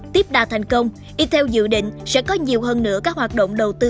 tiếp đà thành công intel dự định sẽ có nhiều hơn nữa các hoạt động đầu tư